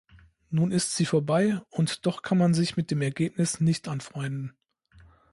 Nun ist sie vorbei, und doch kann man sich mit dem Ergebnis nicht anfreunden.